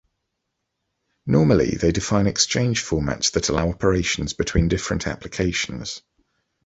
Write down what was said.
Normally, they define exchange formats that allow operations between different applications.